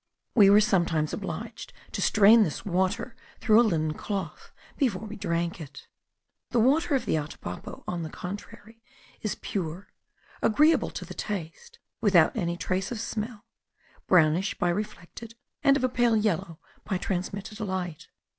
We were sometimes obliged to strain this water through a linen cloth before we drank it. The water of the Atabapo, on the contrary, is pure, agreeable to the taste, without any trace of smell, brownish by reflected, and of a pale yellow by transmitted light.